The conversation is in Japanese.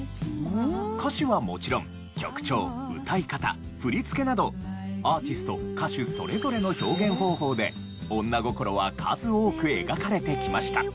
歌詞はもちろん曲調歌い方振り付けなどアーティスト・歌手それぞれの表現方法で女心は数多く描かれてきました。